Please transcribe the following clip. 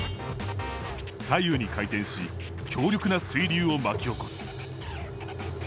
左右に回転し強力な水流を巻き起こす。